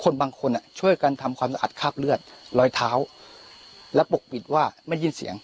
บางคนช่วยกันทำความสะอาดคราบเลือดรอยเท้าและปกปิดว่าไม่ยินเสียง